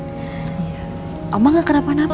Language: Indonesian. ya beruntungnya mama ga kenapa napa kan